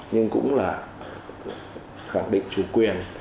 nhưng cũng là khẳng định chủ quyền